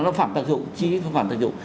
nó phản tác dụng trí phải phản tác dụng